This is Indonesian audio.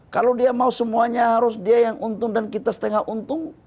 kalau dia mau semuanya harus dia yang untung dan kita setengah untung